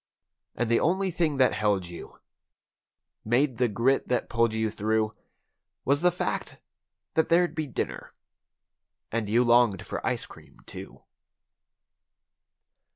And the only thing that held you—made the grit that pulled you through. Was the fact that there'd be dinner, and you longed for ice cream, too.